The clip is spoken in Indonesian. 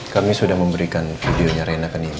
kami sudah memberikan videonya rena ke nino